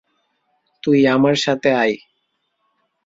তুই আমার সাথে আয়।